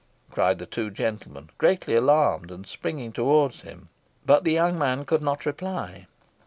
cried the two gentlemen, greatly alarmed, and springing towards him. But the young man could not reply.